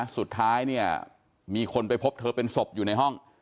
สุดท้ายเนี่ยมีคนไปพบเธอเป็นศพอยู่ในห้อง